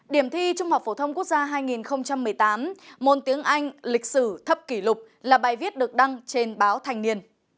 điểm thi trung học phổ thông quốc gia hai nghìn một mươi tám môn tiếng anh lịch sử thấp kỷ lục là bài viết được đăng trên báo thành niên